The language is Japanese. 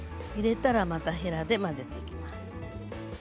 入れたらまたへらで混ぜていきます。